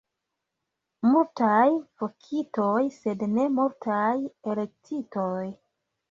Multaj vokitoj, sed ne multaj elektitoj.